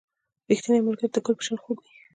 • ریښتینی ملګری د ګل په شان خوږ وي.